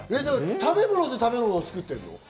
食べ物で食べ物を作ってるの？